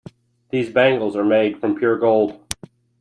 These bangles are made from pure gold.